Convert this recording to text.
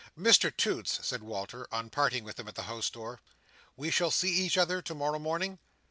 "Mr Toots," said Walter, on parting with him at the house door, "we shall see each other to morrow morning?"